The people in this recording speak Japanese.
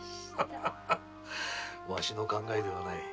ハハわしの考えではない。